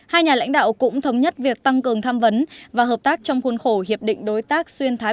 hai nhà lãnh đạo cũng thống nhất việc tăng cường tham vấn và hợp tác trong khuôn khổ hiệp định đối tác xuyên thái bình